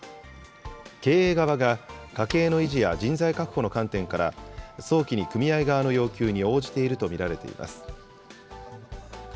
経営側が家計の維持や人材確保の観点から、早期に組合側の要求に応じていると見られています。